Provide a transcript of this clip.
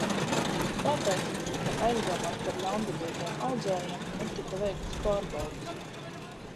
Tāpēc, ka aizdomās par ļaundabīgiem audzējiem netika veiktas pārbaudes.